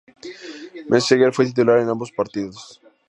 Meseguer fue titular en ambos partidos.